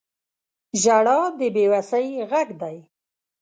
• ژړا د بې وسۍ غږ دی.